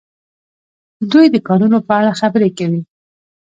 دوی د کانونو په اړه خبرې کوي.